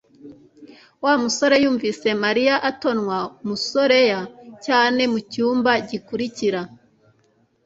Wa musore yumvise Mariya atonwa musorea cyane mucyumba gikurikira